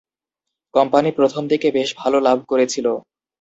Company প্রথমদিকে বেশ ভালো লাভ করেছিল।